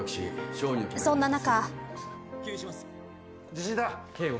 そんな中。